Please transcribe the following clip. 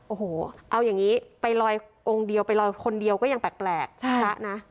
โอ้โหเอาอย่างนี้ไปลอยองค์เดียวไปลอยคนเดียวก็ยังแปลกพระนะ